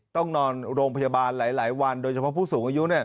ต้องนอนโรงพยาบาลหลายวันโดยเฉพาะผู้สูงอายุ